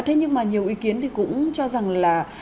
thế nhưng mà nhiều ý kiến thì cũng cho rằng là